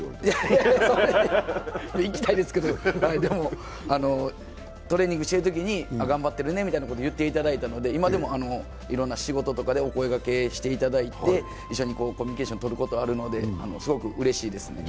いや、行きたいですけど、トレーニングしてるときに頑張ってるねみたいなことを言っていただいたので、今でも仕事とかでお声がけしていただいて一緒にコミュニケーションとることもあるのですごくうれしいですね。